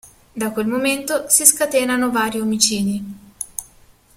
Da quel momento si scatenano vari omicidi.